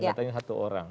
katanya satu orang